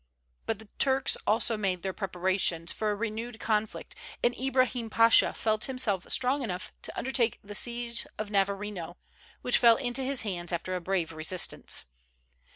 But the Turks also made their preparations for a renewed conflict, and Ibrahim Pasha felt himself strong enough to undertake the siege of Navarino, which fell into his hands after a brave resistance.